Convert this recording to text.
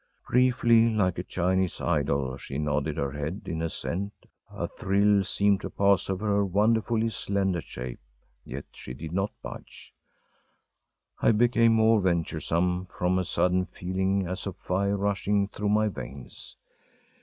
‚ÄĚ Briefly, like a Chinese idol, she nodded her head in assent; a thrill seemed to pass over her wonderfully slender shape; yet she did not budge. I became more venturesome from a sudden feeling as of fire rushing through my veins.